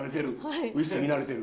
慣れてる？